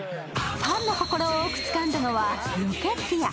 ファンの心を多くつかんだのは「ロケッティア」。